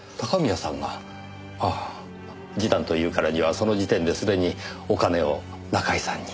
ああ示談というからにはその時点ですでにお金を中居さんに？